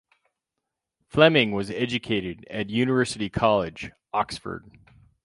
Fleming was educated at University College, Oxford.